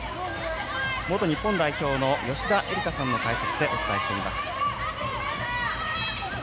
元日本代表の吉田絵里架さんの解説でお伝えしています。